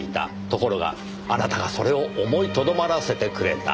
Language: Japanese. ところがあなたがそれを思いとどまらせてくれた。